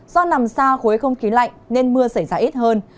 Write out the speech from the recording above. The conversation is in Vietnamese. do nằm xa khối không khí lạnh nên mưa xảy ra ít hơn